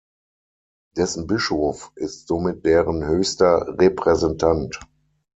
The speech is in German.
Dessen Bischof ist somit deren höchster Repräsentant.